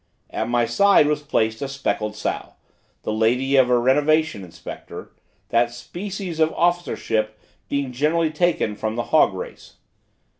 At my side was placed a speckled sow, the lady of a renovation inspector: that species of officer ship being generally taken from the hog race.